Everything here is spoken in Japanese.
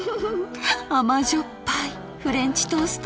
甘じょっぱいフレンチトースト。